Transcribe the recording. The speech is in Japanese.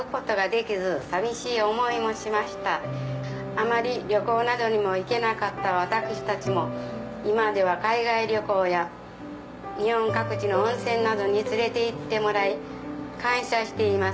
「あまり旅行などにも行けなかった私たちも今では海外旅行や日本各地の温泉などに連れて行ってもらい感謝しています」